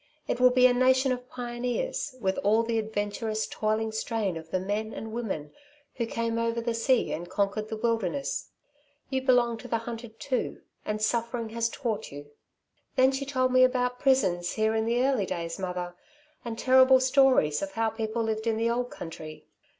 It will be a nation of pioneers, with all the adventurous, toiling strain of the men and women who came over the sea and conquered the wilderness. You belong to the hunted too, and suffering has taught you.' "Then she told me about prisons here in the early days, mother, and terrible stories of how people lived in the old country.